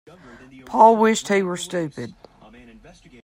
Paul wished he were stupid.